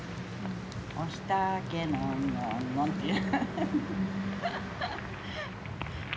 「お火たけのんのんのん」っていう。